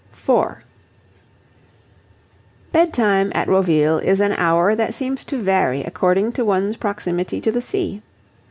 4 Bedtime at Roville is an hour that seems to vary according to one's proximity to the sea.